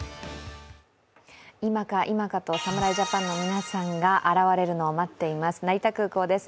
今か今かと侍ジャパンの皆さんが現れるのを待っています、成田空港です。